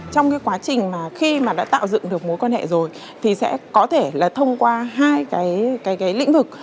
trong quá trình khi đã tạo dựng được mối quan hệ rồi sẽ có thể thông qua hai lĩnh vực